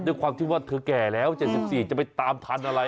ด้วยความที่ว่าเธอแก่แล้ว๗๔จะไปตามทันอะไร